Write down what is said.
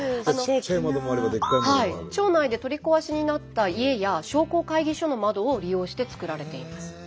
町内で取り壊しになった家や商工会議所の窓を利用して作られています。